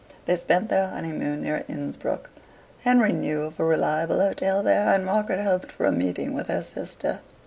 They spent their honeymoon near Innsbruck. Henry knew of a reliable hotel there, and Margaret hoped for a meeting with her sister.